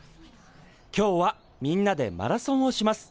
今日はみんなでマラソンをします。